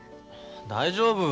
大丈夫。